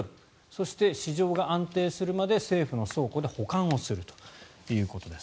そして、市場が安定するまで政府の倉庫で保管をするということです。